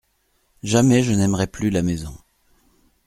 Jamais je n'aimerai plus la maison.